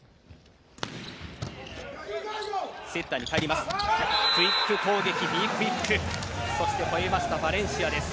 セッターに返ります。